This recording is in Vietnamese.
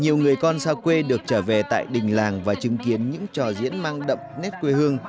nhiều người con xa quê được trở về tại đình làng và chứng kiến những trò diễn mang đậm nét quê hương